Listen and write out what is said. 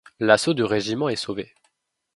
L’assaut du Régiment est sauvé.